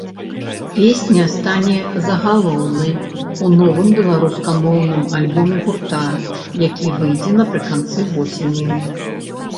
Песня стане загалоўнай у новым беларускамоўным альбоме гурта, які выйдзе напрыканцы восені.